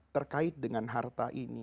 terkait dengan harta ini